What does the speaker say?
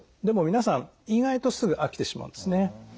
でも皆さん意外とすぐ飽きてしまうんですね。